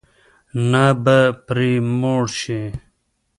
نه به پرې موړ شې.